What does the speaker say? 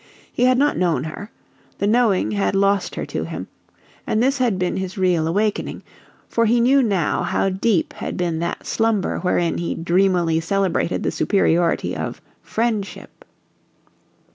He had not known her; the knowing had lost her to him, and this had been his real awakening; for he knew now how deep had been that slumber wherein he dreamily celebrated the superiority of "friendship"!